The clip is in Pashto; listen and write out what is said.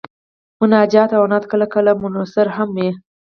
مناجات او نعت کله کله منثور هم وي.